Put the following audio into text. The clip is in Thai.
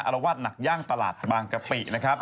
อรวรณหนักย่างตลาดบางกระปิ